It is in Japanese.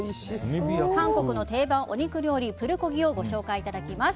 韓国の定番お肉料理プルコギをご紹介いただきます。